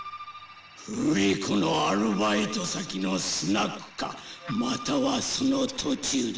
ルリ子のアルバイト先のスナックかまたはその途中だ。